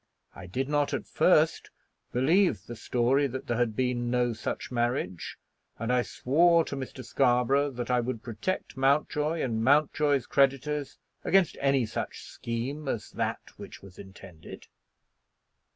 I did not at first believe the story that there had been no such marriage, and I swore to Mr. Scarborough that I would protect Mountjoy and Mountjoy's creditors against any such scheme as that which was intended.